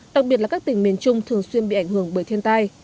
đặc biệt là các tỉnh miền trung thường xuyên bị ảnh hưởng bởi thiên tai